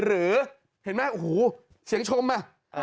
หรืออะไรถึงเสียงชมอ่ะ